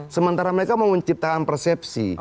sementara mereka mau menciptakan persepsi